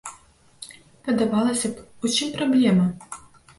Падавалася б, у чым праблема?